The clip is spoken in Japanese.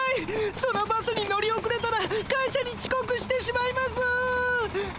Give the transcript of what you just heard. そのバスに乗り遅れたら会社にちこくしてしまいます。